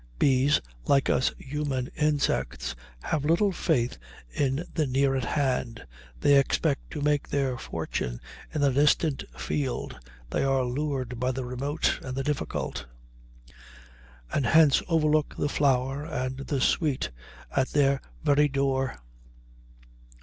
Bees, like us human insects, have little faith in the near at hand; they expect to make their fortune in a distant field, they are lured by the remote and the difficult, and hence overlook the flower and the sweet at their very door.